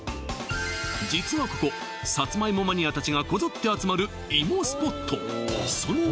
実はここさつまいもマニアたちがこぞって集まる芋スポット